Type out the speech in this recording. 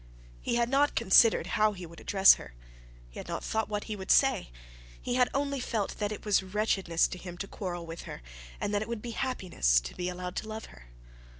He had not considered how he would address her; he had not thought what he would say. He had only felt that it was wretchedness to him to quarrel with her, and that it would be happiness to be allowed to love her.